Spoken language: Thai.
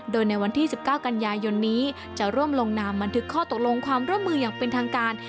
โดยในวันที่๑๙กันยายนนี้จะร่วมลงนามบันทึกข้อตกลงความร่วมมืออย่างเป็นทางการ